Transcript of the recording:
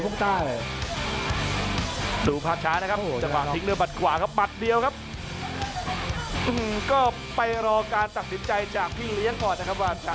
ความหัดหนักเหลือเกินครับดาวรุ่นผีพวกต้าย